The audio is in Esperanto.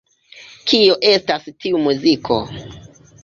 Kio estas tiu muziko?